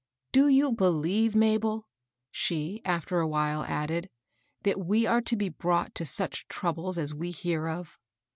" Do you beKeve, Mabel," she, after a while, added, " that we are to be brought to such troubles as we hear of?